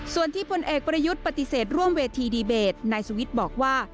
ส่วนที่พลเอกประยุทธ์ปฏิเสธร่วมเวทีดีเบตนายสุวิทย์บอกว่า